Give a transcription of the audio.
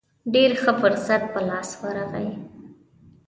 ډېر ښه فرصت په لاس ورغی.